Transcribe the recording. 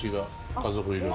家族いる。